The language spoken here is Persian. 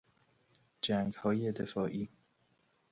جنگهای دفاعی